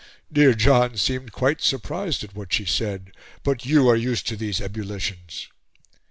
Dear John seemed quite surprised at what she said; but you are used to these ebullitions."